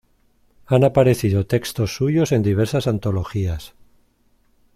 Han aparecido textos suyos en diversas antologías.